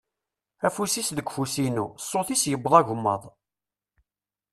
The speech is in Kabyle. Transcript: Afus-is deg ufus-inu, ṣṣut-is yewweḍ agemmaḍ.